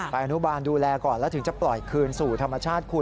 อนุบาลดูแลก่อนแล้วถึงจะปล่อยคืนสู่ธรรมชาติคุณ